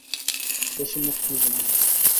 বেশি মুখ খুলবি না।